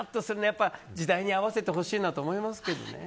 やっぱ時代に合わせてほしいなと思いますけどね。